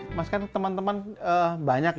teman teman banyak ya teman teman disabilitas tuna netra ini